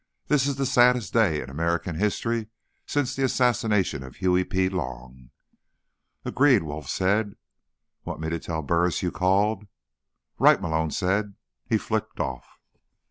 This is the saddest day in American history since the assassination of Huey P. Long." "Agreed," Wolf said. "Want me to tell Burris you called?" "Right," Malone said. He flicked off.